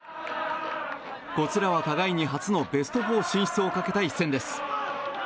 こちらは互いに初のベスト４進出をかけた一戦です。